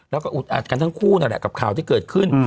แล้วก็อุดอัดกันทั้งคู่นั่นแหละกับข่าวที่เกิดขึ้น